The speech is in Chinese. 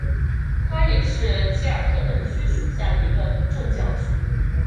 它也是奇尔特恩区属下的一个民政教区。